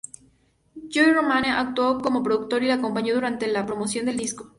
Joey Ramone actuó como productor y la acompañó durante la promoción del disco.